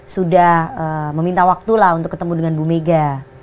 sudah meminta waktu lah untuk ketemu dengan bu mega